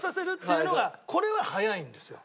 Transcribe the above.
これは早いんですよ。